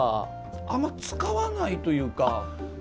あんまり使わないというか。